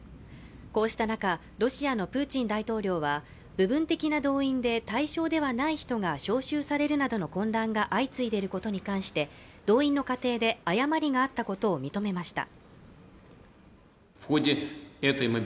こうした中、ロシアのプーチン大統領は部分的な動員で対象ではない人が招集されるなどの混乱が相次いでいることに関して動員の過程で誤りがあったことを認めました。